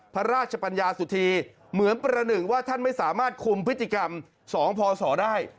พระราชปัญญาสุธีเหมือนประหนึ่งว่าท่านไม่สามารถคุมพฤติกรรม๒พศได้